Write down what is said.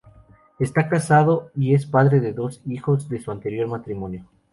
Está casado y es padre de dos hijos de su anterior matrimonio.